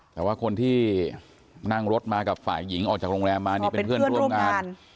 แต่ว่าคนที่นั่งรถมากับฝ่ายหญิงออกจากโรงแรมมานี่เป็นเพื่อนร่วมงาน